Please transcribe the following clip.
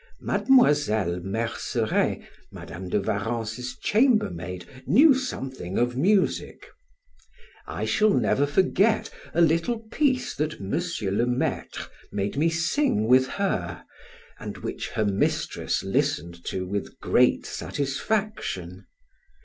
Mademoiselle Merceret, Madam de Warrens' chambermaid, knew something of music; I shall never forget a little piece that M. le Maitre made me sing with her, and which her mistress listened to with great satisfaction.